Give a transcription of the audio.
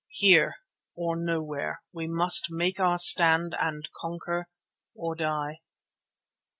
Here, or nowhere, we must make our stand and conquer or die.